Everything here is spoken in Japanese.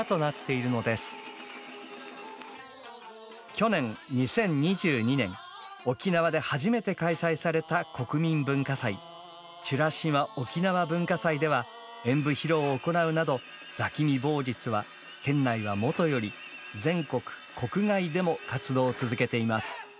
去年２０２２年沖縄で初めて開催された国民文化祭「美ら島おきなわ文化祭」では演武披露を行うなど座喜味棒術は県内はもとより全国国外でも活動を続けています。